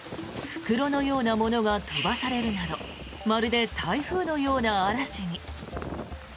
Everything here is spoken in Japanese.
袋のようなものが飛ばされるなどまるで台風のような嵐に。